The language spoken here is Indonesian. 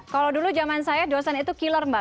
kalau dulu zaman saya dosen itu killer mbak